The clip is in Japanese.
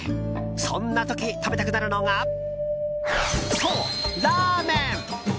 そんな時、食べたくなるのがそう、ラーメン。